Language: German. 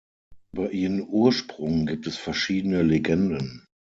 Über ihren Ursprung gibt es verschiedene Legenden.